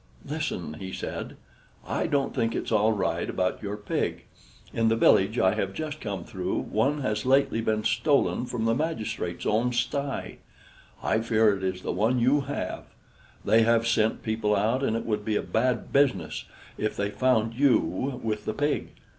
"Listen," he said, "I don't think it's all right about your pig. In the village I have just come through, one has lately been stolen from the magistrate's own sty. I fear it is the one you have. They have sent people out, and it would be a bad business if they found you with the pig.